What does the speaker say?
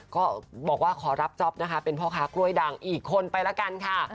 ก็บอกว่าขอรับจ๊อปนะคะเป็นพ่อค้ากล้วยดังอีกคนไปละกันค่ะ